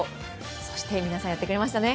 そして皆さんやってくれましたね